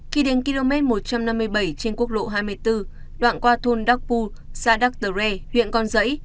khi đến km một trăm năm mươi bảy trên quốc lộ hai mươi bốn đoạn qua thôn đắc pu xa đắc tờ re huyện con giấy